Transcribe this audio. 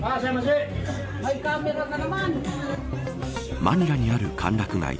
マニラにある歓楽街。